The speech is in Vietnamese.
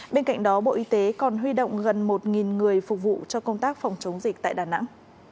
bên cạnh đó bộ y tế còn huy động gần một người phục vụ cho công tác phòng chống dịch tại đà nẵng